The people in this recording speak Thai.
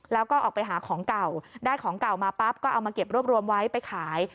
แล้วก็ออกไปหาของเก่าได้ของเก่ามาปั๊บก็เอามาเก็บรวบรวมไว้ไปขาย